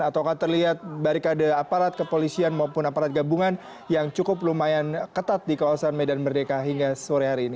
atau terlihat barikade aparat kepolisian maupun aparat gabungan yang cukup lumayan ketat di kawasan medan merdeka hingga sore hari ini